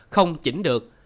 không chỉnh được